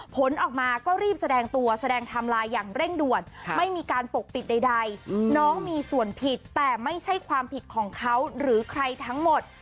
ผลออกมาก็รีบแสดงตัวแสดงไทม์ไลน์อย่างเร่งด่วนไม่มีการปกปิดใดน้องมีส่วนผิดแต่ไม่ใช่ความผิดของเขาหรือใครทั้งหมด